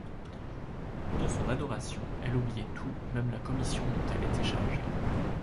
Dans son adoration, elle oubliait tout, même la commission dont elle était chargée.